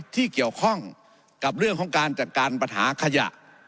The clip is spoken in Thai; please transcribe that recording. ที่เกี่ยวข้องกับเรื่องของการจัดการปัญหาขยะ